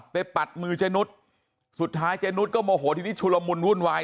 ปัดมือเจนุสสุดท้ายเจนุสก็โมโหทีนี้ชุลมุนวุ่นวาย